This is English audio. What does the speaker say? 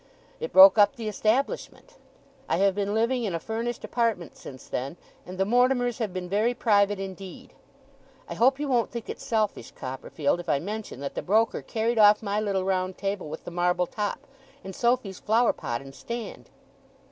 It broke up the establishment. I have been living in a furnished apartment since then, and the Mortimers have been very private indeed. I hope you won't think it selfish, Copperfield, if I mention that the broker carried off my little round table with the marble top, and Sophy's flower pot and stand?